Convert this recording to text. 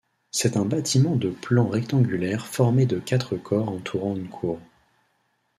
C'est un bâtiment de plan rectangulaire formé de quatre corps entourant une cour.